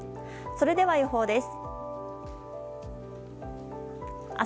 それでは予報です。